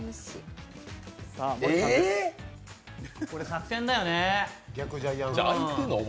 これ、作戦だよね。